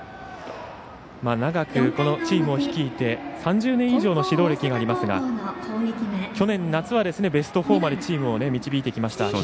長くチームを率いて３０年以上の指導歴がありますが去年夏はベスト４までチームを導いてきました。